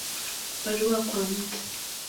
Barua kwa Mt.